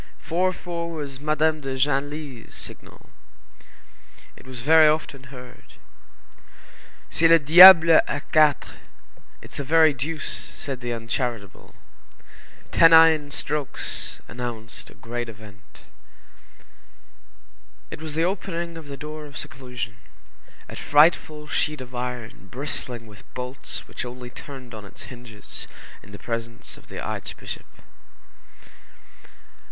Four four was Madame de Genlis's signal. It was very often heard. "C'est le diable a quatre,"—it's the very deuce—said the uncharitable. Tennine strokes announced a great event. It was the opening of the door of seclusion, a frightful sheet of iron bristling with bolts which only turned on its hinges in the presence of the archbishop.